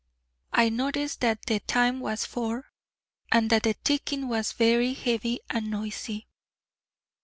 I noticed that the time was four, and that the ticking was very heavy and noisy.